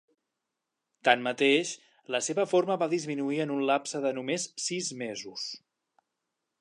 Tanmateix, la seva forma va disminuir en un lapse de només sis mesos.